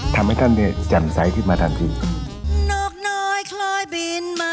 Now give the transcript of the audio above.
ทำให้ท่านเนี่ยจำใสที่มาทำจริง